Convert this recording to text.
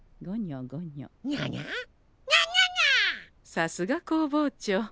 さすが工房長。